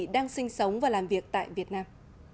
đang sinh sống và làm việc tại việt nam